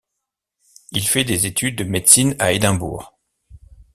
Il fait des études de médecine à Édimbourg.